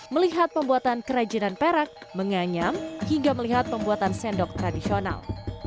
melihat pembuatan kerajinan perak menganyam hingga melihat pembuatan sendok tradisional